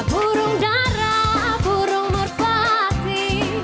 burung darah burung murpati